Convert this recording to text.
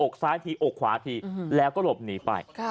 ซ้ายทีอกขวาทีแล้วก็หลบหนีไป